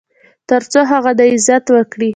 تر څو هغه دې عزت وکړي .